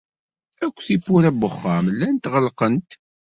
Akk tiwwura n wexxam llant ɣelqent.